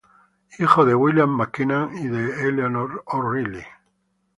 Hijo de William MacKenna y de Eleanor O'Reilly.